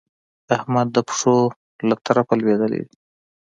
احمد د پښو له ترپه لوېدلی دی.